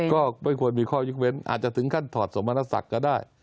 ก็ไม่ควรมีข้อยกเว้นอาจจะถึงขั้นถอดสมณศักดิ์ก็ได้